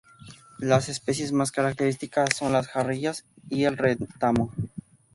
Las especies más características son las jarillas y el retamo.